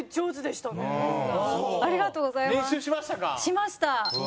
しました。